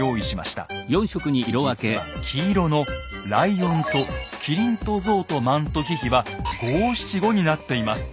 実は黄色の「ライオンとキリンとゾウとマントヒヒ」は５７５になっています。